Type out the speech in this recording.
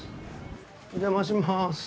お邪魔します。